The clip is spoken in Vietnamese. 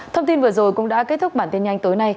thông tin vừa rồi cũng đã kết thúc bản tin nhanh tối nay